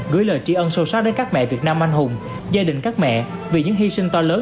gửi lời tri ân sâu sắc đến các mẹ việt nam anh hùng gia đình các mẹ vì những hy sinh to lớn